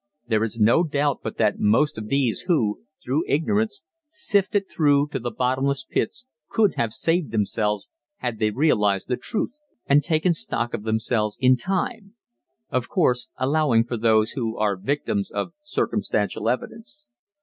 There is no doubt but that most of these who, through ignorance, sifted through to the bottomless pits could have saved themselves had they realized the truth and "taken stock" of themselves, in time of course, allowing for those, who are victims of circumstantial evidence.